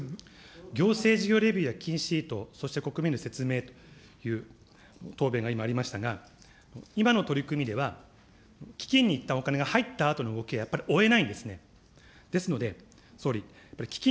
行政事業レビューや基金シート、国民への説明という答弁が今ありましたが、今の取り組みでは、基金に言ったんお金が入ったあとの動きはやっぱり追えないんですね。